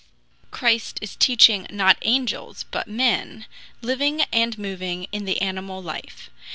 Christ is teaching not angels, but men, living and moving in the animal life.